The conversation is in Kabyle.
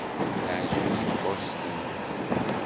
Teɛjeb-iyi Boston.